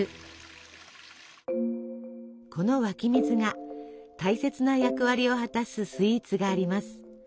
この湧き水が大切な役割を果たすスイーツがあります。